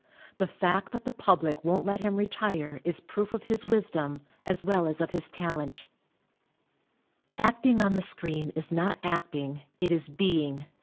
The fact that the public won't let him retire is proof of his wisdom, as well as of his talent Acting on the screen is not acting, it is being.